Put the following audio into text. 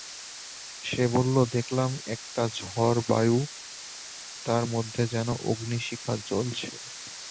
সে বলল, দেখলাম একটা ঝাড়-বায়ু, তার মধ্যে যেন অগ্নিশিখা জ্বলছে।